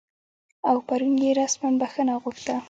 او پرون یې رسما بخښنه وغوښته